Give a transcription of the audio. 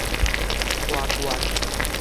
沙縣